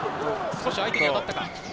少し相手に当たったか。